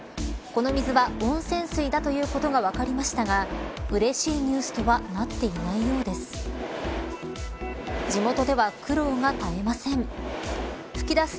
この水は温泉水だということは分かりましたがうれしいニュースとはなっていないようです。